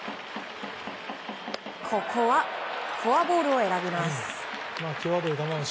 ここはフォアボールを選びます。